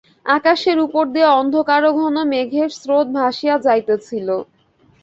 আকাশের উপর দিয়া অন্ধকারঘন মেঘের স্রোত ভাসিয়া যাইতেছিল।